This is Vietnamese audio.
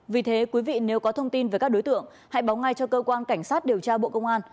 vì thế quý vị nếu có thông tin về các đối tượng hãy báo ngay cho cơ quan cảnh sát điều tra bộ công an